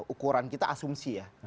ukuran kita asumsi ya